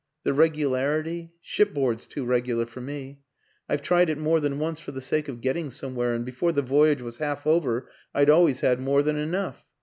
The regularity ship board's too regular for me. I've tried it more than once for the sake of getting somewhere, and before the voyage was half over I'd always had more than enough.